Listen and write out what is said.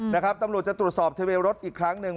ตำรวจจะตรวจสอบทะเบียนรถอีกครั้งหนึ่ง